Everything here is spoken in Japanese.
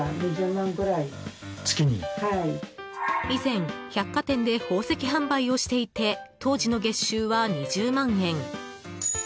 以前、百貨店で宝石販売をしていて当時の月収は２０万円。